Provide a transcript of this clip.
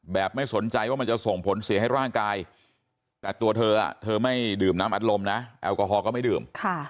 ไม่สนใจว่ามันจะส่งผลเสียให้ร่างกายแต่ตัวเธอเธอไม่ดื่มน้ำอัดลมนะแอลกอฮอลก็ไม่ดื่ม